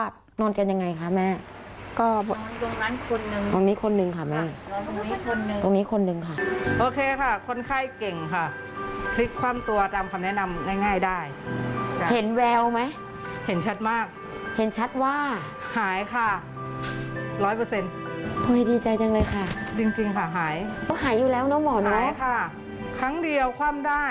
ตรงนี้คนนึงค่ะ